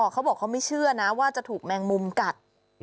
เขาบอกเขาไม่เชื่อนะว่าจะถูกแมงมุมกัด